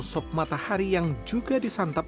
sop matahari yang juga disantap